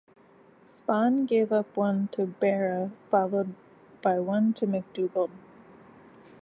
Spahn gave up one to Berra, followed by one to McDougald.